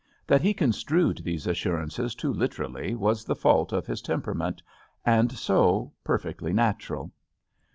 That he construed these assur ances too literally was the fault of his tem perament, and so, perfectly natural.